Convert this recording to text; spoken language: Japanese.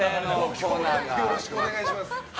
よろしくお願いします。